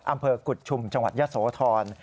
อำเภอกุฎชุมจังหวัดยะโสธร